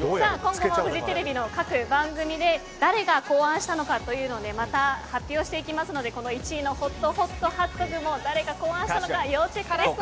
今後もフジテレビの各番組で誰が考案したのかをまた発表していきますので１位のＨＯＴＨＯＴハットグも誰が考案したのか要チェックです。